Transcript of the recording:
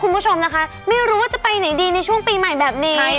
คุณผู้ชมนะคะไม่รู้ว่าจะไปไหนดีในช่วงปีใหม่แบบนี้